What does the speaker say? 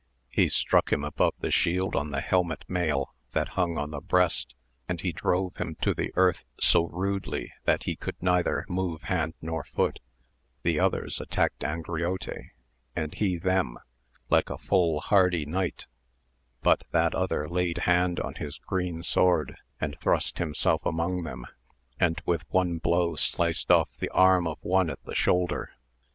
He struck him above the shield on the helmet mail that hung^on the breast, and he drove him to the earth so rudely that he could neither move hand nor foot ; the others attacked Angriote, and he them, like a full hardy knight ; but that other laid hand on his green sword, and thrust himself among them, and with one blow sliced off the arm of one at the shoulder.